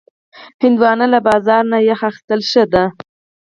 هندوانه له بازار نه یخ اخیستل ښه دي.